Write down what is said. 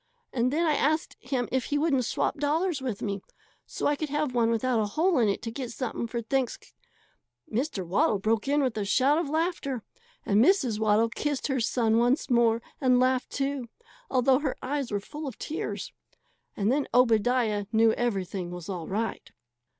And then I asked him if he wouldn't swap dollars with me, so I could have one without a hole in it to get something for Thanks " Mr. Waddle broke in with a shout of laughter, and Mrs. Waddle kissed her son once more, and laughed, too, although her eyes were full of tears. And then Obadiah knew everything was all right.